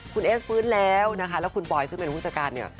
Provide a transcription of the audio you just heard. คุณเอสฟื้นแล้วนะคะแล้วคุณปอยซึ่งเป็นผู้จัดการเนี่ย